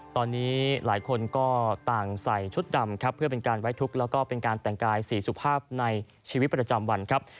ตอนนี้หลายคนก็ต่างใส่ชุดดำครับเพื่อเป็นการไว้ทุกข์แล้วก็เป็นการแต่งกายสีสุภาพในชีวิตประจำวันครับ